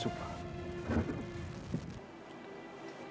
aku kidalang kumendung